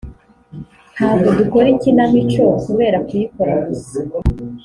« Ntago dukora ikinamico kubera kuyikora gusa